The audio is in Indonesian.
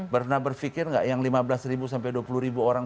pernah berpikir nggak yang lima belas ribu sampai dua puluh ribu orang